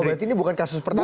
berarti ini bukan kasus pertama